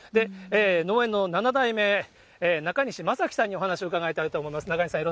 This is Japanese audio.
農園の７代目、中西雅季さんにお話を伺いたいと思います。